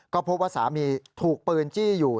ก็พบว่าสามีถูกปืนจี้อยู่